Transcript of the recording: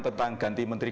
tentang ganti menteri